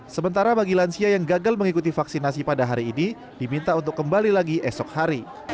sementara bagi lansia yang gagal mengikuti vaksinasi pada hari ini diminta untuk kembali lagi esok hari